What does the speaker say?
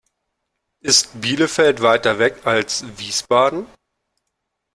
Ist Bielefeld weiter weg als Wiesbaden?